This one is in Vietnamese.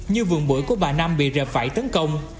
như vườn bưởi của bà nam bị rẹp vẩy tấn công